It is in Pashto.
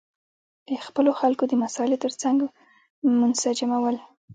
د خپلو خلکو د مسایلو ترڅنګ منسجمول.